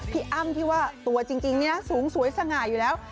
พี่เอมที่ว่าตัวจริงนี้นะสูงสวยสง่ายอยู่แล้ว